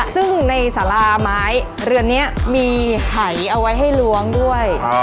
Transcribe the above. ซึ่งในสาราไม้เรือนนี้มีหายเอาไว้ให้ล้วงด้วย